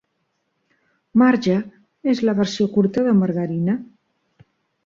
"Marge" es la versió curta de "margarina".